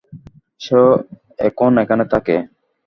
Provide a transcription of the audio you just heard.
সে এখন এখানে থাকে।